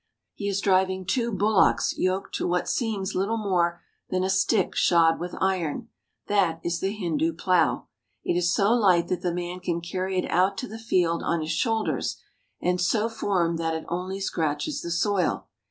He is driving two bullocks yoked to what seems little more than a stick shod with iron. That is the Hindu plow. It is so light that the man can carry it out to the field on his shoulders, and so formed that it only scratches the soil.